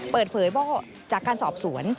เปิดเผยว่าจากการสอบสวน